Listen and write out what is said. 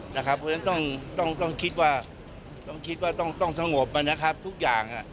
นะครับเพราะฉะนั้นต้องคิดว่าต้องสงบมานะครับทุกอย่าง